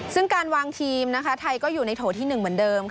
ซึ่งการวางทีมไทยก็อยู่ในโถที่๑เหมือนเดิม